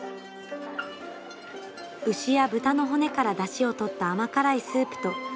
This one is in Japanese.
牛や豚の骨からだしを取った甘辛いスープと米の麺。